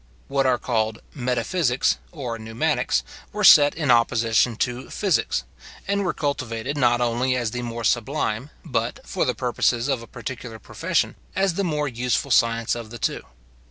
What are called metaphysics, or pneumatics, were set in opposition to physics, and were cultivated not only as the more sublime, but, for the purposes of a particular profession, as the more useful science of the two.